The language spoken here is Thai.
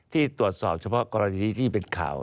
ที่ตรวจสอบเฉพาะกรณีที่เป็นข่าว